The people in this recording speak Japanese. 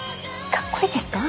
かっこいいですか？